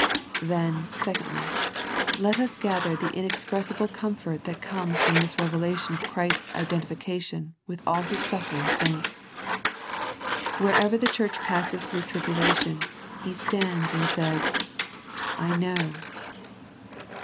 Then secondly, let us gather the inexpressi ble comfort that comes from this revelation of Christ's identification with all His suffering saints. Wherever the Church passes through tribulation, He stands and says " I know."